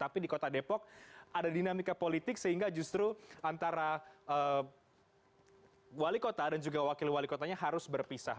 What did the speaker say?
tapi di kota depok ada dinamika politik sehingga justru antara wali kota dan juga wakil wali kotanya harus berpisah